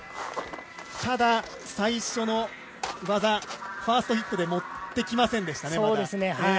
ただ最初の技、ファーストヒットで持ってきませんでしたね。